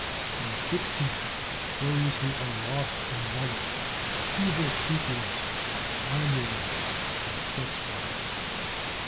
In the sixteenth, those who are lost in vice, evil speakers, slanderers, and such like.